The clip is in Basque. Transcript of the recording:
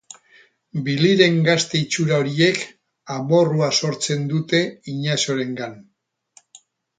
Biliren gazte-itxura horiek amorrua sortzen dute Inaziorengan.